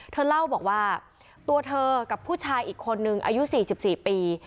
เธอเล่าบอกว่าตัวเธอกับผู้ชายอีกคนนึงอายุ๔๔ปี